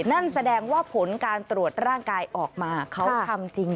นั่นแสดงว่าผลการตรวจร่างกายออกมาเขาทำจริง